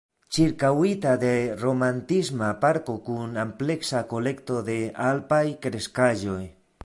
Ĉirkaŭita de romantisma parko kun ampleksa kolekto de alpaj kreskaĵoj.